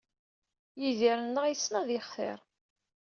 Yidir-nneɣ yessen ad yextir.